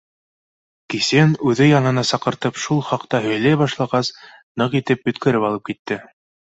— Кисен үҙе янына саҡыртып шул хаҡта һөйләй башлағас, ныҡ итеп йүткереп алып китте.